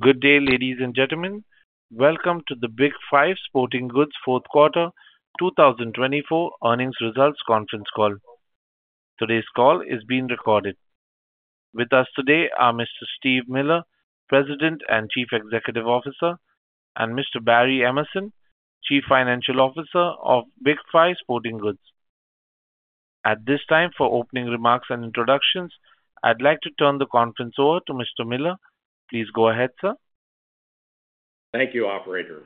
Good day, ladies and gentlemen. Welcome to the Big 5 Sporting Goods Fourth Quarter 2024 Earnings Results Conference Call. Today's call is being recorded. With us today are Mr. Steve Miller, President and Chief Executive Officer, and Mr. Barry Emerson, Chief Financial Officer of Big 5 Sporting Goods. At this time, for opening remarks and introductions, I'd like to turn the conference over to Mr. Miller. Please go ahead, sir. Thank you, Operator.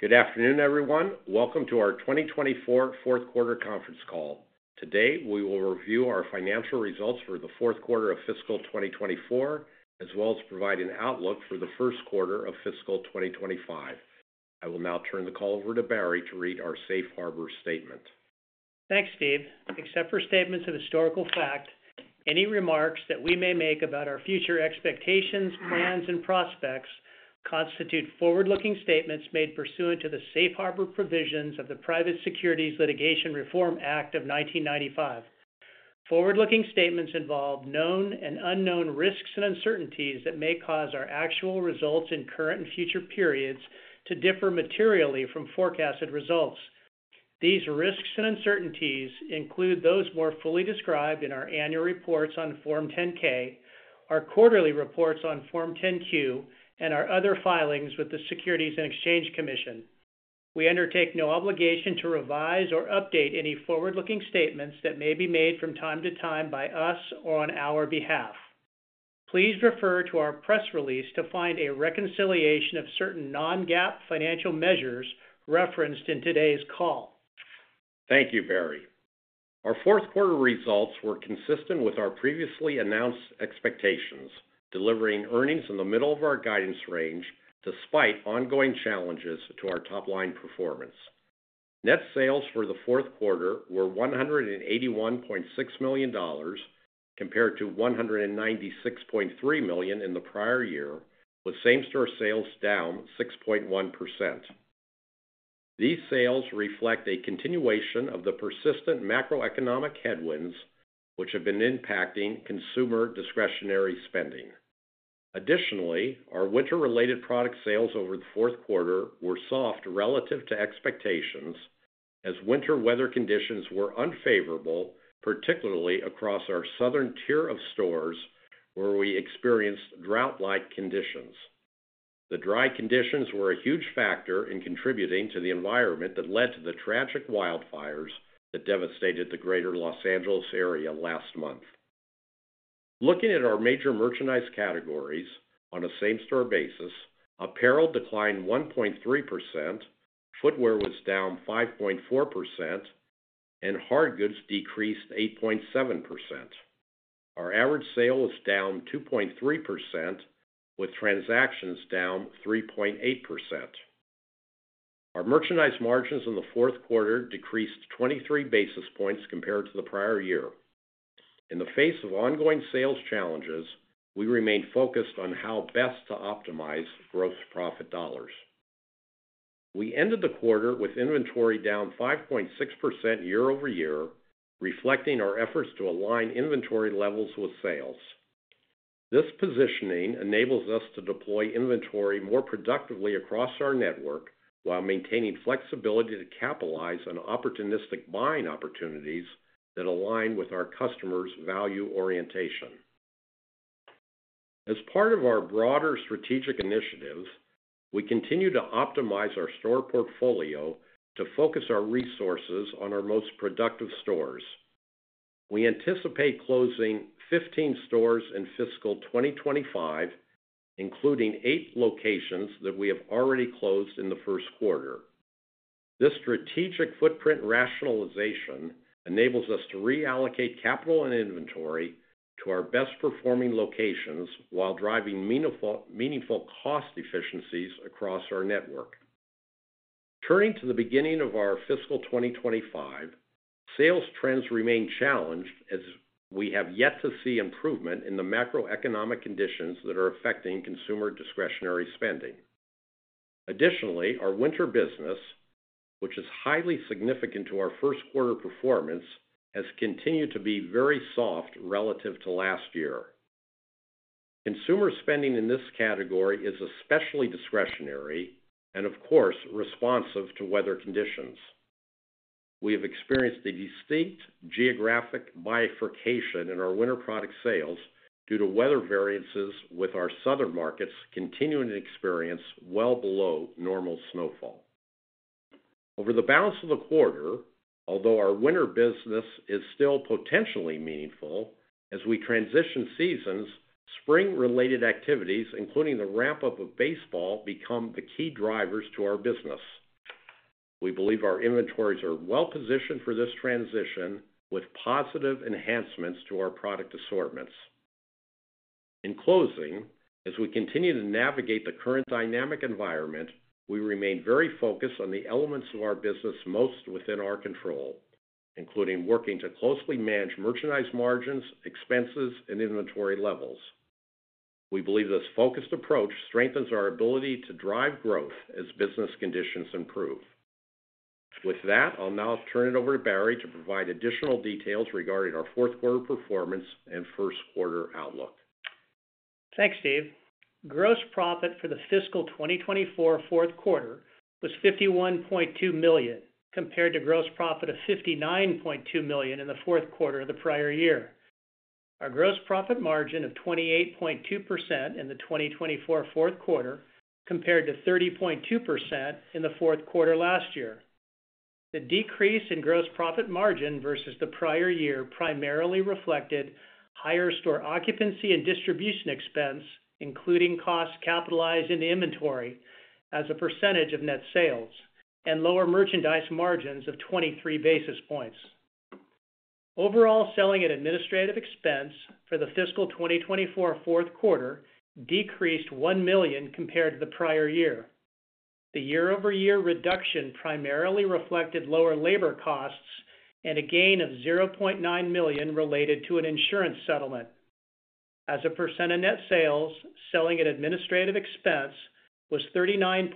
Good afternoon, everyone. Welcome to our 2024 Fourth Quarter Conference Call. Today, we will review our financial results for the fourth quarter of Fiscal 2024, as well as provide an outlook for the first quarter of Fiscal 2025. I will now turn the call over to Barry to read our Safe Harbor Statement. Thanks, Steve. Except for statements of historical fact, any remarks that we may make about our future expectations, plans, and prospects constitute forward-looking statements made pursuant to the Safe Harbor Provisions of the Private Securities Litigation Reform Act of 1995. Forward-looking statements involve known and unknown risks and uncertainties that may cause our actual results in current and future periods to differ materially from forecasted results. These risks and uncertainties include those more fully described in our annual reports on Form 10-K, our quarterly reports on Form 10-Q, and our other filings with the Securities and Exchange Commission. We undertake no obligation to revise or update any forward-looking statements that may be made from time to time by us or on our behalf. Please refer to our press release to find a reconciliation of certain non-GAAP financial measures referenced in today's call. Thank you, Barry. Our fourth quarter results were consistent with our previously announced expectations, delivering earnings in the middle of our guidance range despite ongoing challenges to our top-line performance. Net sales for the fourth quarter were $181.6 million compared to $196.3 million in the prior year, with same-store sales down 6.1%. These sales reflect a continuation of the persistent macroeconomic headwinds, which have been impacting consumer discretionary spending. Additionally, our winter-related product sales over the fourth quarter were soft relative to expectations, as winter weather conditions were unfavorable, particularly across our Southern tier of stores where we experienced drought-like conditions. The dry conditions were a huge factor in contributing to the environment that led to the tragic wildfires that devastated the Greater Los Angeles area last month. Looking at our major merchandise categories on a same-store basis, apparel declined 1.3%, footwear was down 5.4%, and hard goods decreased 8.7%. Our average sale was down 2.3%, with transactions down 3.8%. Our merchandise margins in the fourth quarter decreased 23 basis points compared to the prior year. In the face of ongoing sales challenges, we remained focused on how best to optimize gross profit dollars. We ended the quarter with inventory down 5.6% year over year, reflecting our efforts to align inventory levels with sales. This positioning enables us to deploy inventory more productively across our network while maintaining flexibility to capitalize on opportunistic buying opportunities that align with our customers' value orientation. As part of our broader strategic initiatives, we continue to optimize our store portfolio to focus our resources on our most productive stores. We anticipate closing 15 stores in Fiscal 2025, including eight locations that we have already closed in the first quarter. This strategic footprint rationalization enables us to reallocate capital and inventory to our best-performing locations while driving meaningful cost efficiencies across our network. Turning to the beginning of our Fiscal 2025, sales trends remain challenged, as we have yet to see improvement in the macroeconomic conditions that are affecting consumer discretionary spending. Additionally, our winter business, which is highly significant to our first quarter performance, has continued to be very soft relative to last year. Consumer spending in this category is especially discretionary and, of course, responsive to weather conditions. We have experienced a distinct geographic bifurcation in our winter product sales due to weather variances, with our southern markets continuing to experience well below normal snowfall. Over the balance of the quarter, although our winter business is still potentially meaningful, as we transition seasons, spring-related activities, including the ramp-up of baseball, become the key drivers to our business. We believe our inventories are well-positioned for this transition, with positive enhancements to our product assortments. In closing, as we continue to navigate the current dynamic environment, we remain very focused on the elements of our business most within our control, including working to closely manage merchandise margins, expenses, and inventory levels. We believe this focused approach strengthens our ability to drive growth as business conditions improve. With that, I'll now turn it over to Barry to provide additional details regarding our fourth quarter performance and first quarter outlook. Thanks, Steve. Gross profit for the Fiscal 2024 4th Quarter was $51.2 million compared to gross profit of $59.2 million in the 4th Quarter of the prior year. Our gross profit margin of 28.2% in the 2024 4th Quarter compared to 30.2% in the 4th Quarter last year. The decrease in gross profit margin versus the prior year primarily reflected higher store occupancy and distribution expense, including costs capitalized into inventory as a percentage of net sales, and lower merchandise margins of 23 basis points. Overall selling and administrative expense for the Fiscal 2024 4th Quarter decreased $1 million compared to the prior year. The year-over-year reduction primarily reflected lower labor costs and a gain of $0.9 million related to an insurance settlement. As a percent of net sales, selling and administrative expense was 39.3%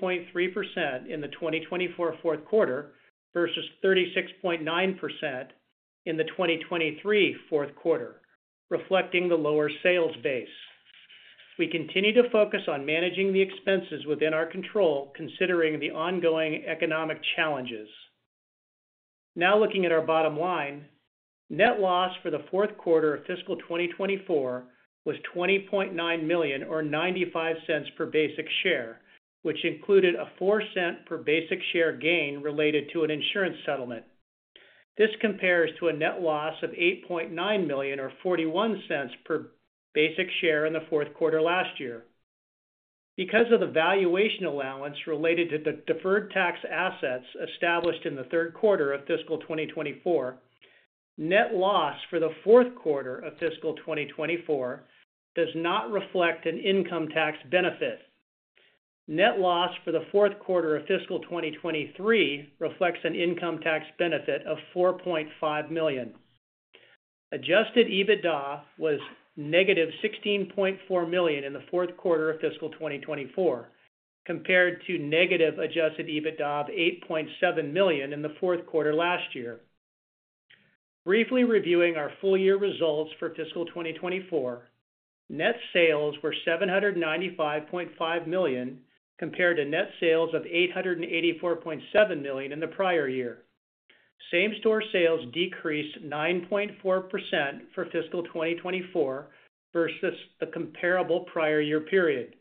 in the 2024 fourth quarter versus 36.9% in the 2023 fourth quarter, reflecting the lower sales base. We continue to focus on managing the expenses within our control, considering the ongoing economic challenges. Now looking at our bottom line, net loss for the fourth quarter of fiscal 2024 was $20.9 million or $0.95 per basic share, which included a $0.04 per basic share gain related to an insurance settlement. This compares to a net loss of $8.9 million or $0.41 per basic share in the fourth quarter last year. Because of the valuation allowance related to the deferred tax assets established in the third quarter of fiscal 2024, net loss for the fourth quarter of fiscal 2024 does not reflect an income tax benefit. Net loss for the fourth quarter of Fiscal 2023 reflects an income tax benefit of $4.5 million. Adjusted EBITDA was negative $16.4 million in the fourth quarter of Fiscal 2024, compared to negative adjusted EBITDA of $8.7 million in the fourth quarter last year. Briefly reviewing our full-year results for Fiscal 2024, net sales were $795.5 million compared to net sales of $884.7 million in the prior year. Same-store sales decreased 9.4% for Fiscal 2024 versus the comparable prior year period.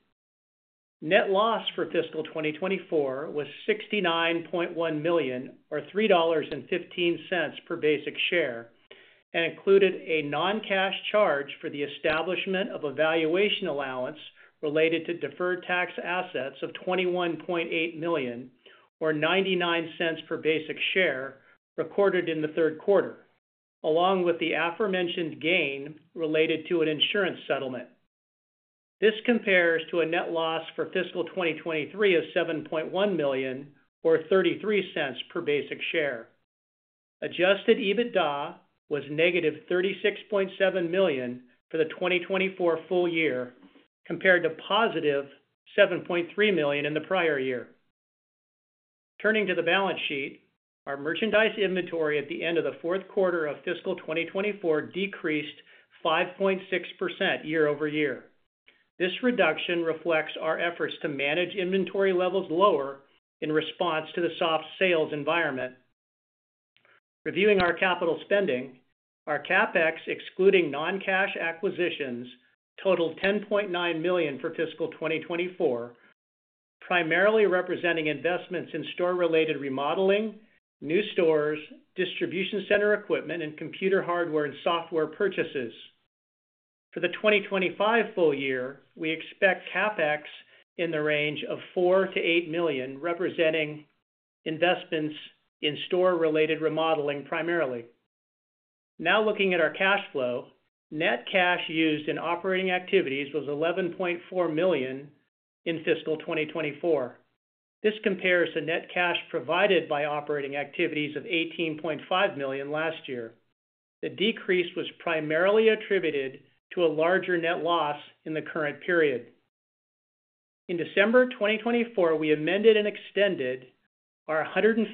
Net loss for Fiscal 2024 was $69.1 million or $3.15 per basic share and included a non-cash charge for the establishment of a valuation allowance related to deferred tax assets of $21.8 million or $0.99 per basic share recorded in the third quarter, along with the aforementioned gain related to an insurance settlement. This compares to a net loss for Fiscal 2023 of $7.1 million or $0.33 per basic share. Adjusted EBITDA was negative $36.7 million for the 2024 full year, compared to positive $7.3 million in the prior year. Turning to the balance sheet, our merchandise inventory at the end of the fourth quarter of Fiscal 2024 decreased 5.6% year-over-year. This reduction reflects our efforts to manage inventory levels lower in response to the soft sales environment. Reviewing our capital spending, our CapEx, excluding non-cash acquisitions, totaled $10.9 million for Fiscal 2024, primarily representing investments in store-related remodeling, new stores, distribution center equipment, and computer hardware and software purchases. For the 2025 full year, we expect CapEx in the range of $4-$8 million, representing investments in store-related remodeling primarily. Now looking at our cash flow, net cash used in operating activities was $11.4 million in Fiscal 2024. This compares to net cash provided by operating activities of $18.5 million last year. The decrease was primarily attributed to a larger net loss in the current period. In December 2024, we amended and extended our $150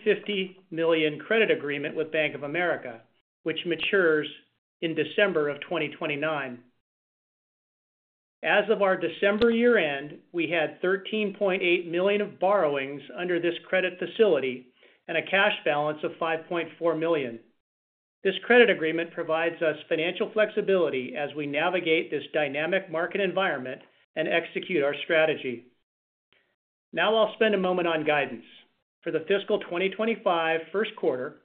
million credit agreement with Bank of America, which matures in December of 2029. As of our December year-end, we had $13.8 million of borrowings under this credit facility and a cash balance of $5.4 million. This credit agreement provides us financial flexibility as we navigate this dynamic market environment and execute our strategy. Now I'll spend a moment on guidance. For the Fiscal 2025 1st Quarter,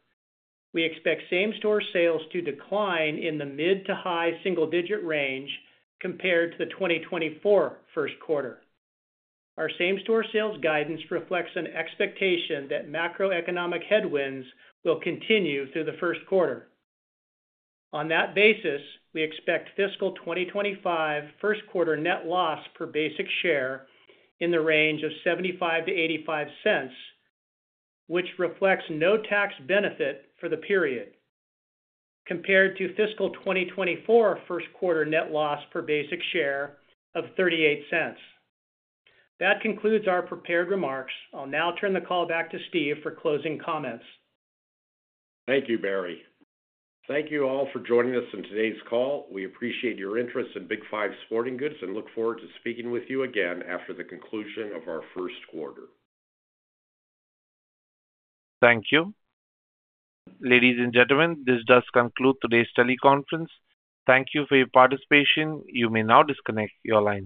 we expect same-store sales to decline in the mid to high single-digit range compared to the 2024 1st Quarter. Our same-store sales guidance reflects an expectation that macroeconomic headwinds will continue through the 1st Quarter. On that basis, we expect Fiscal 2025 1st Quarter net loss per basic share in the range of $0.75-$0.85, which reflects no tax benefit for the period, compared to Fiscal 2024 1st Quarter net loss per basic share of $0.38. That concludes our prepared remarks. I'll now turn the call back to Steve for closing comments. Thank you, Barry. Thank you all for joining us in today's call. We appreciate your interest in Big 5 Sporting Goods and look forward to speaking with you again after the conclusion of our first quarter. Thank you. Ladies and gentlemen, this does conclude today's teleconference. Thank you for your participation. You may now disconnect your line.